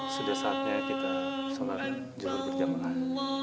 sudah saatnya kita salat jauh berjalan